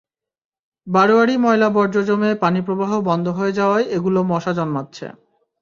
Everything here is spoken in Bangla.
বারোয়ারি ময়লা বর্জ্য জমে পানিপ্রবাহ বন্ধ হয়ে যাওয়ায় এগুলো মশা জন্মাচ্ছে।